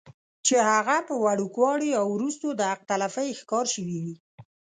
چې هغه پۀ وړوکوالي يا وروستو د حق تلفۍ ښکار شوي وي